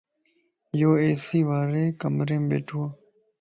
يو اي سي واري ڪمريم ٻيھڻووَ